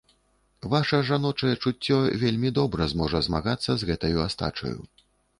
Ваша жаночае чуццё вельмі добра зможа змагацца з гэтаю астачаю.